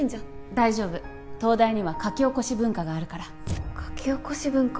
大丈夫東大には書き起こし文化があるから書き起こし文化？